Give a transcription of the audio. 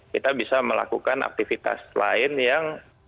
kita bisa melakukan aktivitas lain yang